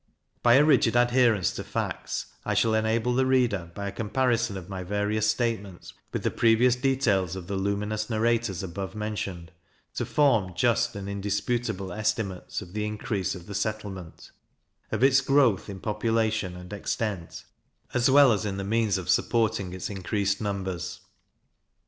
By a rigid adherence to facts, I shall enable the reader, by a comparison of my various statements with the previous details of the luminous narrators above mentioned, to form just and indisputable estimates of the increase of the settlement; of its growth in population and extent, as well as in the means of supporting its increased members.